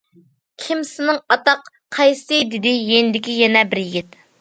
كىم سېنىڭ ئاتاق؟ قايسىسى؟- دېدى يېنىدىكى يەنە بىر يىگىت.